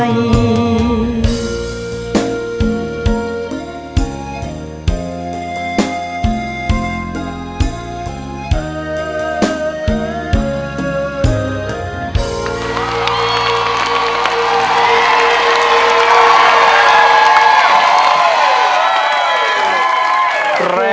ขอบคุณครับ